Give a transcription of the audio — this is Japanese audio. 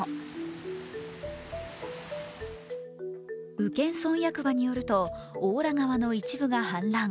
宇検村役場によると、大良川の一部が氾濫。